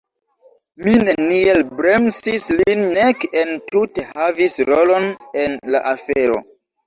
Mi neniel bremsis lin nek entute havis rolon en la afero.